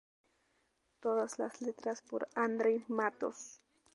Todas las letras por: Andre Matos.